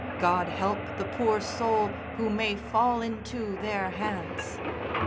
God help the poor soul who may fall into their hands!